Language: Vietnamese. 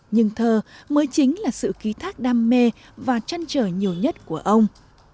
nhưng thơ mới chính là sự ký thác đam mê và trăn trở nhiều nhất của ông